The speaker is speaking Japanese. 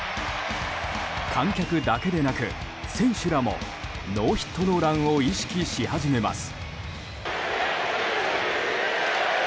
観客だけでなく、選手らもノーヒットノーランを意識し始めます。